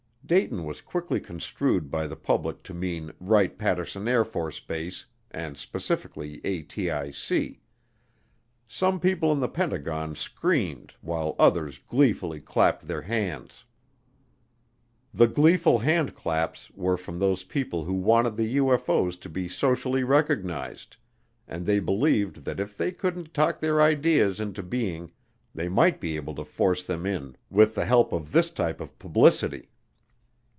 Dayton was quickly construed by the public to mean Wright Patterson AFB and specifically ATIC. Some people in the Pentagon screamed while others gleefully clapped their hands. The gleeful handclaps were from those people who wanted the UFO's to be socially recognized, and they believed that if they couldn't talk their ideas into being they might be able to force them in with the help of this type of publicity.